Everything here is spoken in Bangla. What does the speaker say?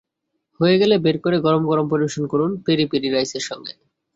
হয়ে গেলে বের করে গরম-গরম পরিবেশন করুন পেরি পেরি রাইসের সঙ্গে।